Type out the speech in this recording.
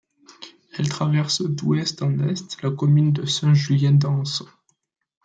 Elle traverse d'Ouest en Est la commune de Saint Julien d'Ance.